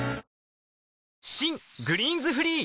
新「グリーンズフリー」